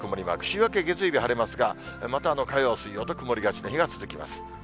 週明け月曜日は晴れますが、また火曜、水曜と曇りがちな日が続きます。